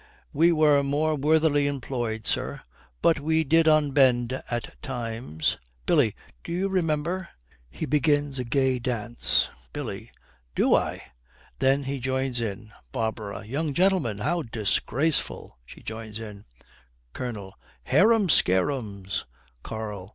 'We were more worthily employed, sir, but we did unbend at times. Billy, do you remember ' He begins a gay dance. BILLY. 'Not I.' Then he joins in. BARBARA. 'Young gentlemen, how disgraceful!' She joins in. COLONEL. 'Harum scarums!' KARL.